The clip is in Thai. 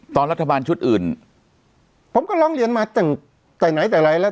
ตอนรัฐบาลชุดอื่นผมก็ร้องเรียนมาตั้งแต่ไหนแต่ไรแล้ว